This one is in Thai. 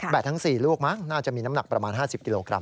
ทั้ง๔ลูกมั้งน่าจะมีน้ำหนักประมาณ๕๐กิโลกรั